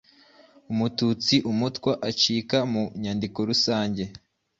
Mututsi, Mutwa acika mu nyandiko rusange.